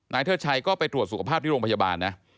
เทิดชัยก็ไปตรวจสุขภาพที่โรงพยาบาลนะ